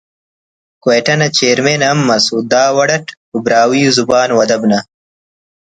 کوئٹہ نا چیئرمین ہم مس و دا وڑ اٹ او براہوئی زبان و ادب نا